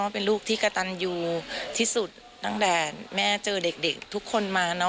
เป็นลูกที่กระตันยูที่สุดตั้งแต่แม่เจอเด็กทุกคนมา